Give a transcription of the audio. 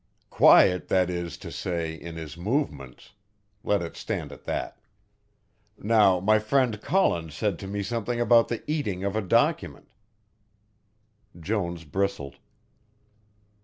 "Quiet, that is to say, in his movements let it stand at that. Now my friend Collins said to me something about the eating of a document " Jones bristled.